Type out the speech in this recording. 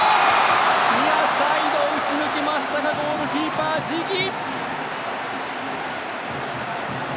ニアサイド、打ち抜きましたがゴールキーパー、ジギ！